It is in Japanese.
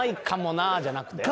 「かもな」じゃない。